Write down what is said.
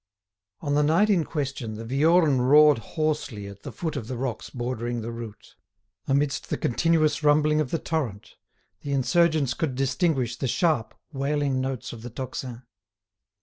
On the night in question, the Viorne roared hoarsely at the foot of the rocks bordering the route. Amidst the continuous rumbling of the torrent, the insurgents could distinguish the sharp, wailing notes of the tocsin.